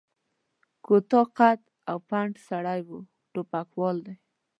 کوتاه قد او پنډ سړی و، ټوپکوالو دی.